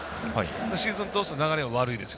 シーズン通して流れは悪いです。